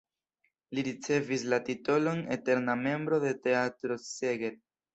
Li ricevis la titolon "eterna membro de Teatro Szeged".